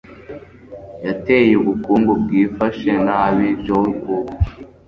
yateye ubukungu bwifashe nabi JOEcouk